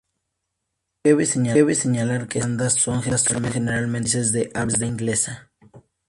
Cabe señalar que estas bandas son generalmente de países de habla no inglesa.